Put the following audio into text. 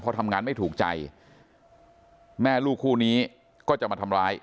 พอทำงานไม่ถูกใจแม่ลูกคู่นี้ก็จะมาทำร้าย